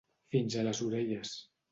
Fins a les orelles.